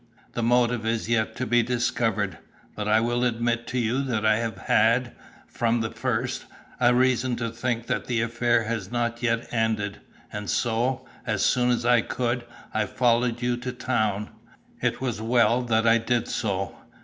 The motive is yet to be discovered, but I will admit to you that I have had, from the first, a reason to think that the affair has not yet ended; and so, as soon as I could, I followed you to town. It was well that I did so.